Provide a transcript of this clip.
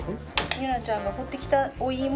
結愛ちゃんが掘ってきたお芋。